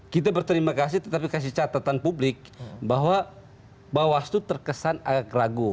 kita berterima kasih tetapi kasih catatan publik bahwa bawaslu terkesan agak ragu